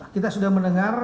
kita sudah mendengar